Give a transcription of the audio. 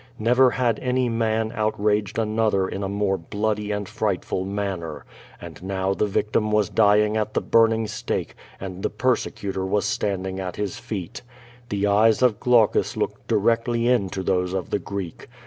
Never had any man outraged another in a more bloody and frightful manner. And now the victim was dying at the burning stake and the persecutor was stand ing at his feet. The eyes of Glaucus looked directly into those of the Greek.